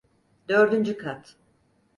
Dördüncü kat.